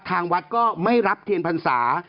ทางวัดก็ไม่รับเทียนพรรษา